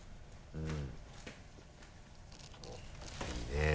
うん。